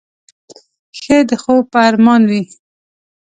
ښه د خوب په ارمان وې.